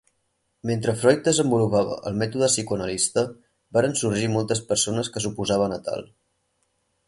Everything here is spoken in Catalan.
Mentre Freud desenvolupava el mètode psicoanalista, varen sorgir moltes persones que s’oposaven a tal.